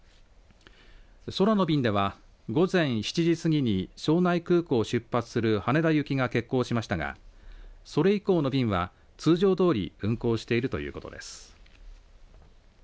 空の便では、午前７時過ぎに庄内空港を出発する羽田行きが欠航しましたがそれ以降の便は通常どおり運航しているということです。